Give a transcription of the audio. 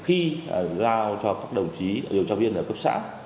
khi giao cho các đồng chí điều tra viên ở cấp xã